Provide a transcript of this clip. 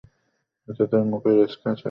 এতে তার মুখের স্ক্যাচ আঁকতে পারবে?